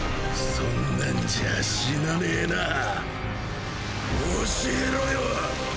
そんなんじゃあ死なねェなァ教えろよ。